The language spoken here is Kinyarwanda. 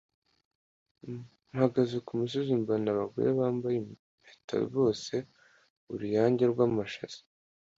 Mpagaze ku gasozi mbona abagore bambaye impeta bose-Uruyange rw'amashaza.